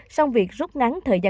sau việc rút ngắn thời gian